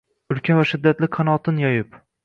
Ulkan va shiddatli qanotin yoyib